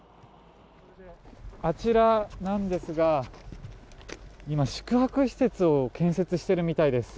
あちらなんですが今、宿泊施設を建設しているみたいです。